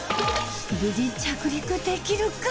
無事着陸できるか。